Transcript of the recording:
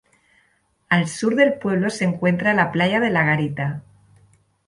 Al sur del pueblo se encuentra la playa de La Garita.